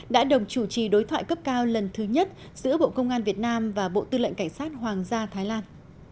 đã đồng chủ trì đối thoại cấp cao lần thứ nhất giữa bộ công an việt nam và bộ tư lệnh cảnh sát hoàng gia thái lan